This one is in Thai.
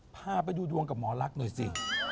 พาไปดูดวงกับหมอลักษณ์หน่อยสิ